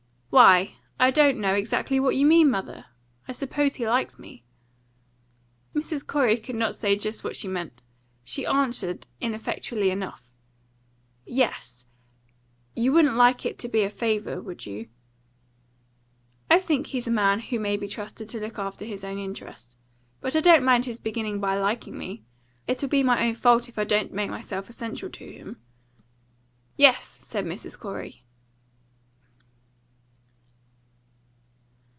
"Why, I don't know exactly what you mean, mother. I suppose he likes me." Mrs. Corey could not say just what she meant. She answered, ineffectually enough "Yes. You wouldn't like it to be a favour, would you?" "I think he's a man who may be trusted to look after his own interest. But I don't mind his beginning by liking me. It'll be my own fault if I don't make myself essential to him." "Yes," said Mrs. Corey.